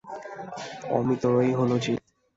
অমিতরই হল জিত।